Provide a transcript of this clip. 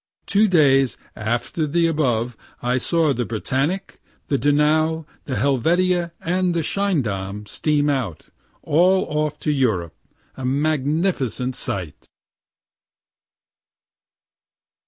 Two days after the above I saw the "Britannic," the "Donau," the "Helvetia" and the "Schiedam" steam out, all off for Europe a magnificent sight.